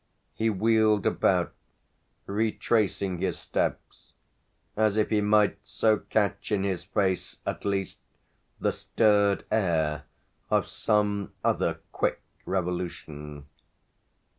He wheeled about, retracing his steps, as if he might so catch in his face at least the stirred air of some other quick revolution.